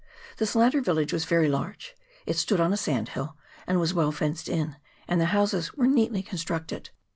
This latter village was very large ; it stood on a sand hill, and was well fenced in, and the houses were neatly con structed.